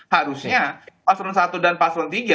harusnya paswan satu dan paswan tiga